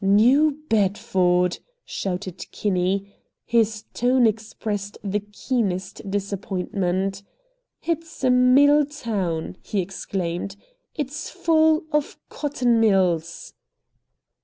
"New Bedford!" shouted Kinney. His tone expressed the keenest disappointment. "It's a mill town!" he exclaimed. "It's full of cotton mills."